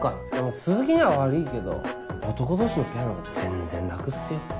鈴木には悪いけど男同士のペアのほうが全然楽っすよ。